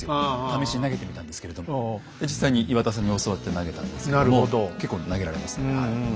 試しに投げてみたんですけれど実際に岩田さんに教わって投げたんですけども結構投げられますねはい。